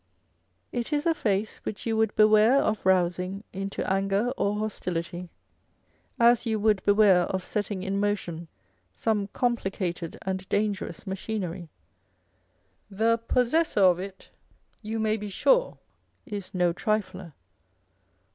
It is a face which you would beware of rousing into anger or hostility, as you would beware of setting in motion some complicated and dan gerous machinery. The possessor of it, you may be sure, is no trifler.